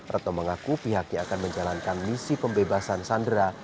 retno mengaku pihaknya akan menjalankan misi pembebasan sandera